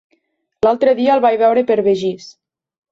L'altre dia el vaig veure per Begís.